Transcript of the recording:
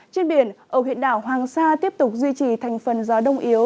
trên biển ở huyện đảo hoàng sa tiếp tục duy trì thành phần gió đông yếu